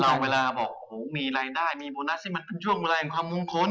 เราเวลาบอกว่ามีรายได้มีโบนัสสิมันย่วงไปอะไรกับความยุ่งขน